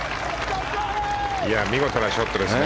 見事なショットですね。